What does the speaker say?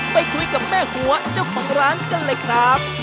ไปคุยกับแม่หัวเจ้าของร้านกันเลยครับ